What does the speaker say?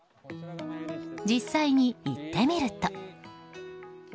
実際に行ってみると。